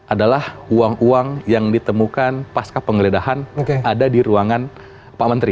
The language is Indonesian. adalah uang uang yang ditemukan pasca penggeledahan ada di ruangan pak menteri